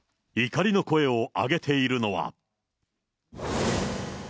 怒りの声を上げているのは。